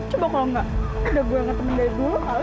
coba kalau enggak udah gue yang ketemu dari dulu kali